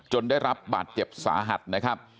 ได้รับบาดเจ็บสาหัสนะครับ